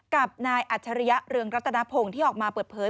กับนายอัจฉริยะเรืองรัตนพงศ์ที่ออกมาเปิดเผย